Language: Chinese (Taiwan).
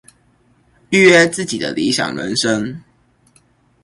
預約自己的理想人生